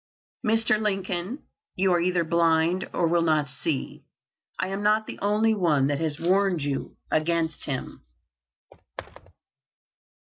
"Mr. Lincoln, you are either blind or will not see. I am not the only one that has warned you against him."